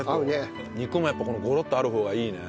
肉もやっぱこのごろっとある方がいいね。